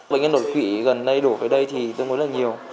bệnh nhân độc quỷ gần đây đổ về đây thì tương đối là nhiều